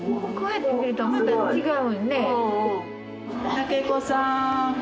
武子さん！